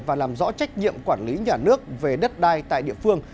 và làm rõ trách nhiệm quản lý nhà nước về đất đai tại địa phương